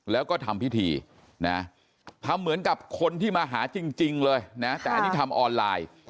แล้วก็ทำพิธีนะทำเหมือนกับคนที่มาหาจริงเลยนะแต่อันนี้ทำออนไลน์